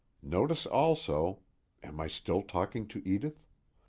_ _Notice also (am I still talking to Edith?)